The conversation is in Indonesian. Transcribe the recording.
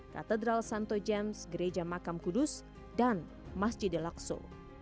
katedral santo james gereja makam kudus dan masjid al aqso